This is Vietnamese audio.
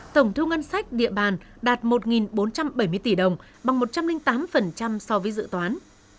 tổng thu ngân sách địa bàn đạt một bốn trăm bảy mươi tỷ đồng bằng một trăm linh tám so với dự toán